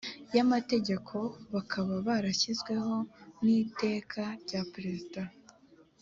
y amategeko bakaba barashyizweho n iteka rya depite